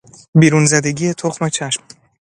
بیرون زدگی تخم چشم